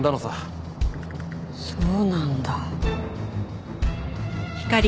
そうなんだ。